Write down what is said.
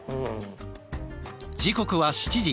時刻は７時。